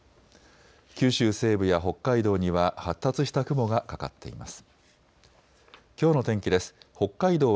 九州西部や北海道には発達した雲がかかっています。